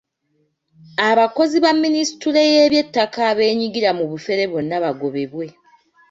Abakozi ba Ministule y’Eby'ettaka abeenyigira mu bufere bonna bagobebwe.